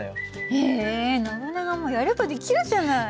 へえノブナガもやればできるじゃない。